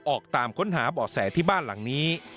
ออกตามค้นหาเบาะแสที่บ้านหลังนี้